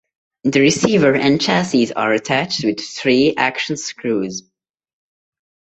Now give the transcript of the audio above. The receiver and chassis are attached with three action screws.